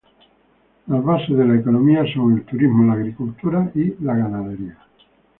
Las bases de la economía son el turismo, la agricultura y la ganadería.